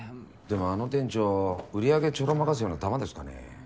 でもあの店長売り上げちょろまかすようなタマですかね。